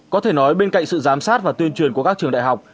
có thể nói bên cạnh sự giám sát và tuyên truyền của các trường đại học